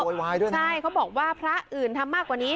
ด้วยนะใช่เขาบอกว่าพระอื่นทำมากกว่านี้